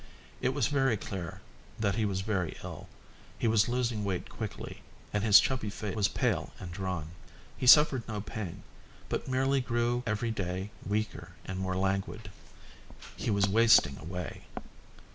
It was clear that he was very ill, he was losing weight quickly, and his chubby face was pale and drawn. He suffered no pain, but merely grew every day weaker and more languid. He was wasting away.